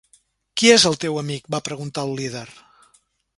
"Qui és el teu amic?" va preguntar el líder.